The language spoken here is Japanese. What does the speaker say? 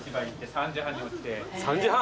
３時半？